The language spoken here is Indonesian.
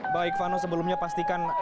baik vanno sebelumnya pastikan anda